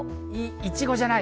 いちごじゃない。